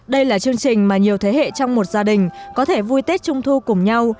đây là chương trình mà nhiều thế hệ trong một gia đình có thể vui tết trung thu cùng nhau